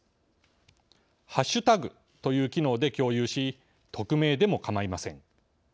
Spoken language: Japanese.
ハッシュタグという機能で共有し匿名でも構いません。